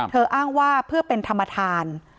อ้างว่าเพื่อเป็นธรรมทาน